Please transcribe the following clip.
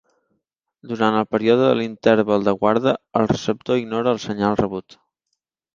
Durant el període de l'interval de guarda, el receptor ignora el senyal rebut.